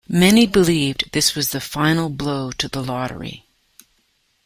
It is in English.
Many believed this was the final blow to the lottery.